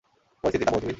পরিস্থিতিটা বোঝ, উইল।